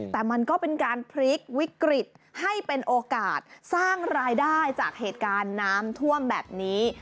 แต่มันก็เป็นการพลิกวิกฤตให้เป็นโอกาสสร้างรายได้จากเหตุการณ์น้ำท่วมแบบนี้